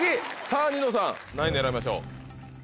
さぁニノさん何位狙いましょう？